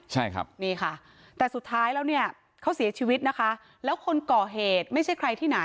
ใช่ครับนี่ค่ะแต่สุดท้ายแล้วเนี้ยเขาเสียชีวิตนะคะ